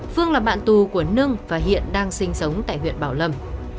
phương là bạn tù của nưng và hiện đang sinh sống tại huyện bảo lâm